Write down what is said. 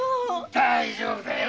大丈夫だよ。